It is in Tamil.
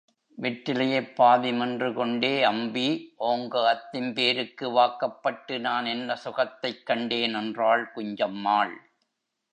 வெற்றிலையைப் பாதி மென்றுகொண்டே, அம்பி, ஓங்க அத்திம்பேருக்கு வாக்கப்பட்டு நான் என்ன சுகத்தைக் கண்டேன்? என்றாள் குஞ்சம்மாள்.